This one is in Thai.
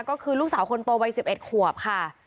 ก็คือลูกสาวคนโตวัย๑๑ขวบค่ะ